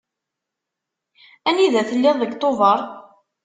Anida telliḍ deg Tubeṛ?